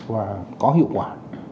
và có hiệu quả